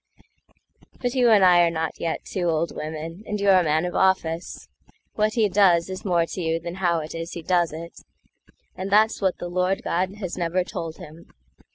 But you and I are not yet two old women, And you're a man of office. What he doesIs more to you than how it is he does it,—And that's what the Lord God has never told him.